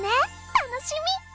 楽しみ！